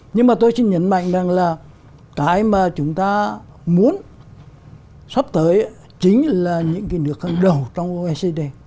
nhưng mà tôi xin nhấn mạnh rằng là cái mà chúng ta muốn sắp tới chính là những cái nước hàng đầu trong oecd